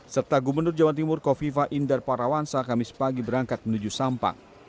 serta gubernur jawa timur kofifa indar parawansa kamis pagi berangkat menuju sampang